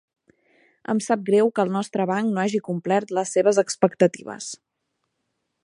Em sap greu que el nostre banc no hagi complert les seves expectatives.